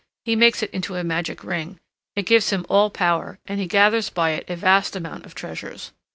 He makes it into a magic ring. It gives him all power, and he gathers by it a vast amount of treasures.